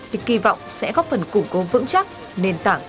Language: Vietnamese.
thì kỳ vọng sẽ góp phần củng cố vững chắc nền tảng